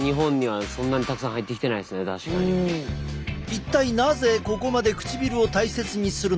一体なぜここまで唇を大切にするのか？